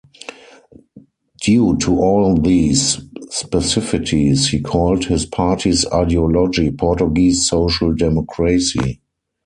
Due to all these specificities, he called his party's ideology "Portuguese Social Democracy".